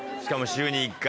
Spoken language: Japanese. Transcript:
週に１回。